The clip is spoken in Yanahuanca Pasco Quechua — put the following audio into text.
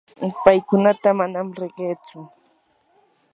paykunata manam riqitsu.